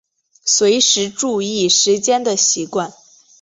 随时注意时间的习惯